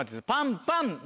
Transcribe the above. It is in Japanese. パンパン。